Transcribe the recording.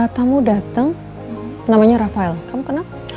ada tamu dateng namanya rafael kamu kenal